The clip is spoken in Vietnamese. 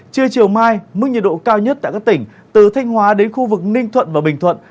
trưa chiều mai mức nhiệt độ cao nhất tại các tỉnh từ thanh hóa đến khu vực ninh thuận và bình thuận